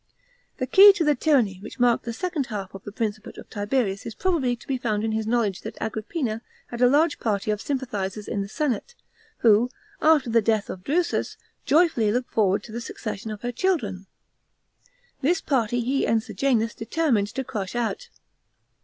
The key to the tyranny which marked the second half of the principal of Tiberius is probably to be found in his knowledge that Agrippina had a large party of sympathisers in the senate, who, after the death of Drusus, joyfully looked forward to the succession of her children. This party he and Sejanus determined to crush out.